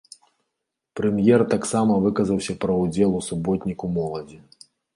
Прэм'ер таксама выказаўся пра ўдзел ў суботніку моладзі.